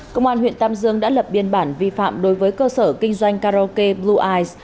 công an huyện tam dương đã lập biên bản vi phạm đối với cơ sở kinh doanh karaoke blue